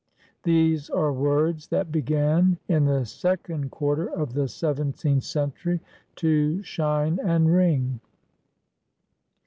These are words that began, in the second quarter of the seventeenth century, to shine and ring.